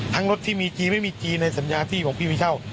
รถที่มีจีนไม่มีจีนในสัญญาที่ของพี่วิเช่า